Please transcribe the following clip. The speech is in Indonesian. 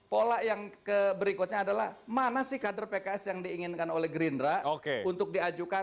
pola yang berikutnya adalah mana sih kader pks yang diinginkan oleh gerindra untuk diajukan